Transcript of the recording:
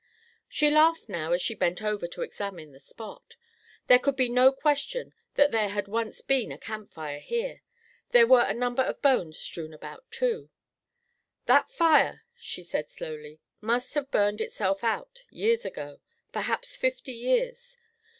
She laughed now as she bent over to examine the spot. There could be no question that there had once been a camp fire here. There were a number of bones strewn about, too. "That fire," she said slowly, "must have burned itself out years ago; perhaps fifty years.